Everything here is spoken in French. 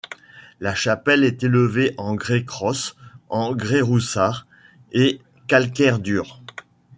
La chapelle est élevée en grès crosse, en grès roussard et calcaire dur.